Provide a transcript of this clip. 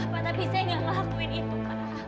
pak tapi lama suamin itu pak